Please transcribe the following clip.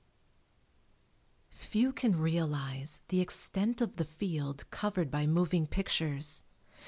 Few can realize the extent of the field covered by moving pictures.